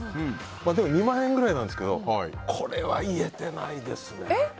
２万円ぐらいなんですけどこれは言えてないですね。